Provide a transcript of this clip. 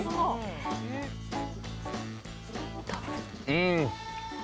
うん！